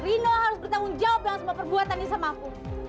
rino harus bertanggung jawab dengan semua perbuatan ini sama aku